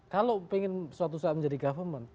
kalau ingin suatu saat menjadi government